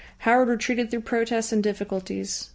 Howard retreated through protests and difficulties.